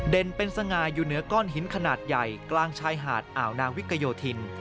เป็นสง่าอยู่เหนือก้อนหินขนาดใหญ่กลางชายหาดอ่าวนางวิกโยธิน